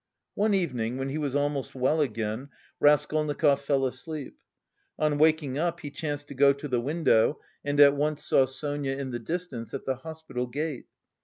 One evening, when he was almost well again, Raskolnikov fell asleep. On waking up he chanced to go to the window, and at once saw Sonia in the distance at the hospital gate.